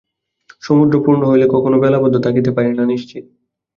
সমুদ্র পূর্ণ হইলে কখনও বেলাবদ্ধ থাকিতে পারে না, নিশ্চিত।